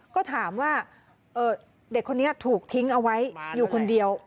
ก็ถามว่าเด็กคนนี้ถูกทิ้งเอาไว้อยู่คนเดียว